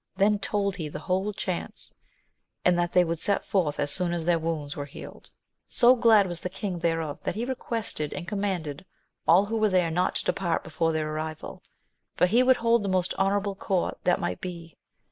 Then told he the whole chance, and that they would set forth as soon as their woxis^da were healed. VOL. I. \^ Ue AMADI8 OF GAUL. So glad was the king thereof that he requested and commanded all who were there not to depart before their arrival, for he would hold the most honourable court that might be.